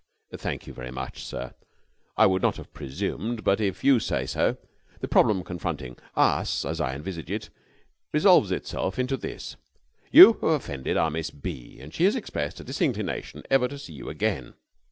"Thank you very much, sir. I would not have presumed, but if you say so The problem confronting us, as I envisage it, resolves itself into this. You have offended our Miss B. and she has expressed a disinclination ever to see you again.